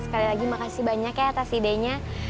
sekali lagi makasih banyak ya atas idenya